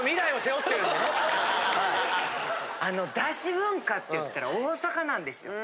出汁文化っていったら大阪なんですよ。